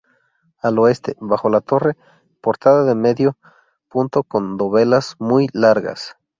Al oeste, bajo la torre, portada de medio punto con dovelas muy largas.